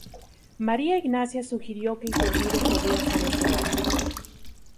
María Ignacia sugirió que Iturbide podría ser ese hombre.